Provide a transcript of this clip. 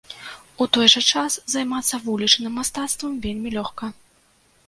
У той жа час займацца вулічным мастацтвам вельмі лёгка.